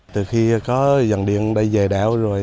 từ khi có dòng điện đã về đảo rồi